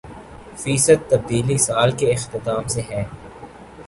فیصد تبدیلی سال کے اختتام سے ہے